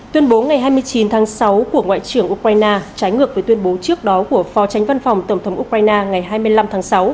tuyên bố ngày hai mươi chín tháng sáu của ngoại trưởng ukraine trái ngược với tuyên bố trước đó của phó tránh văn phòng tổng thống ukraine ngày hai mươi năm tháng sáu